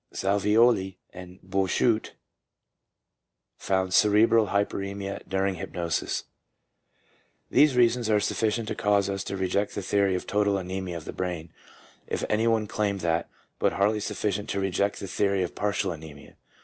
Salvioli and Bouchut found cerebral hyperemia during hypnosis. These reasons are sufficient to cause us to reject the theory of total anemia of the brain — if any one claimed that — but hardly sufficient to reject the theory of partial anemia.